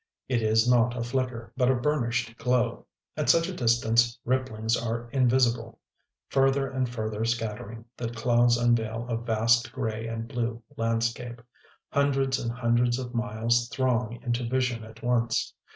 It is not a flicker, but a burnished glow; at such a distance ripplings are invisible.... Further and further scattering, the clouds unveil a vast grey and blue landscape; hundreds and hundreds of miles throng into vision at once.